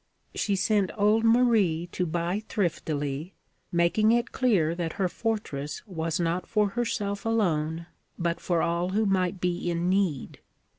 She sent old Marie to buy thriftily, making it clear that her fortress was not for herself alone, but for all who might be in need.